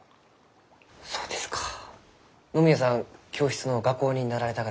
そうですか野宮さん教室の画工になられたがですね。